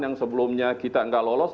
yang sebelumnya kita nggak lolos